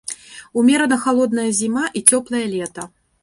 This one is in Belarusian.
Умерана халодная зіма і цёплае лета.